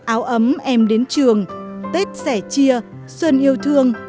áo ấm em đến trường tết sẻ chia xuân yêu thương